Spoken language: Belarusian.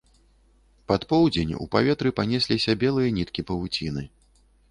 Пад поўдзень у паветры панесліся белыя ніткі павуціны.